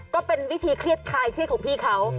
ก็เป็นวิธีเครียดคลายเครียดของพี่เขา